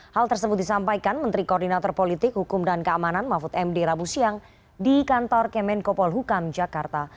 hal tersebut disampaikan menteri koordinator politik hukum dan keamanan mahfud md rabu siang di kantor kemenkopol hukam jakarta